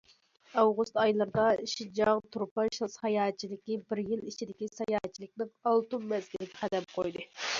ئاۋغۇست ئايلىرىدا، شىنجاڭ تۇرپان ساياھەتچىلىكى بىر يىل ئىچىدىكى ساياھەتچىلىكنىڭ ئالتۇن مەزگىلىگە قەدەم قويدى.